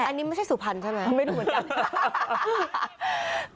อันนี้ไม่ใช่สุพรรณใช่ไหมไม่รู้เหมือนกัน